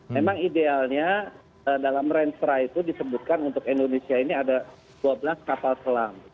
memang idealnya dalam range stra itu disebutkan untuk indonesia ini ada dua belas kapal selam